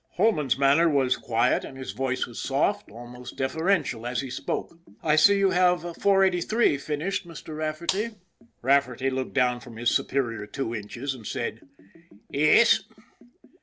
Holman's manner was quiet and his voice was soft, almost deferential, as he spoke :" I see you have 483 finished, Mr. Rafferty." Rafferty looked down from his superior two inches and said :" Yis."